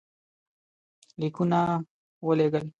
لیکونه ولېږل.